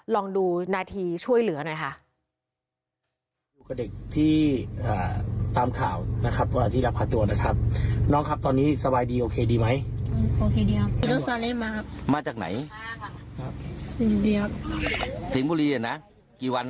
ลองดูนาทีช่วยเหลือหน่อยค่ะ